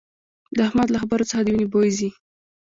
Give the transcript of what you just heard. د احمد له خبرو څخه د وينې بوي ځي